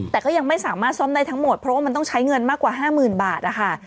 แต่ก็ยังไม่สามารถซ่อมได้ทั้งหมดเพราะว่ามันต้องใช้เงินมากกว่า๕๐๐๐บาทนะคะ